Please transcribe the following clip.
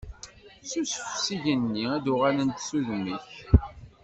Ssusef s igenni, ad d-uɣalent s udem-ik.